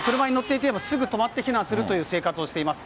車に乗っていてもすぐに止まって避難するという生活をしています。